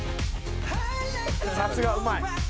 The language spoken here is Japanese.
「さすがうまい！」